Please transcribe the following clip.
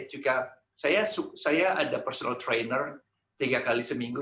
juga saya ada pengamal pribadi tiga kali seminggu